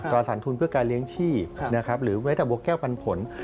สารทุนเพื่อการเลี้ยงชีพนะครับหรือแม้แต่บัวแก้วปันผล